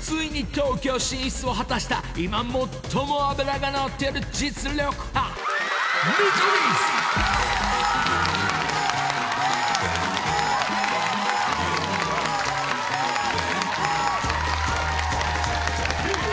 ［ついに東京進出を果たした今最も脂が乗ってる実力派］［ヒアウィゴー］